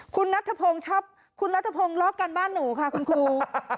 คุณนัทธพงศ์ชอบคุณนัทพงศ์รอบการบ้านหนูค่ะคุณครู